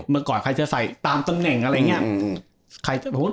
เมื่อก่อนใครจะใส่ตามตำแหน่งอะไรอย่างนี้